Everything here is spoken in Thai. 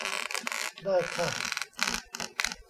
ได้ค่ะ